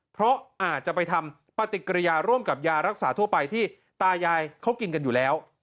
เพราะอาจจะไปทำปฏิกิริยาร่วมกับยารักษาทั่วไปที่ตายายเขากินกันอยู่แล้ว